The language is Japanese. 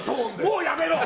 もうやめろ！